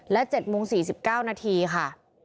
และ๗โมง๔๙นาทีค่ะ